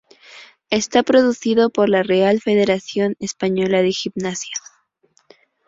Está producido por la Real Federación Española de Gimnasia.